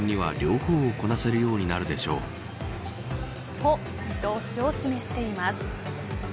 と、見通しを示しています。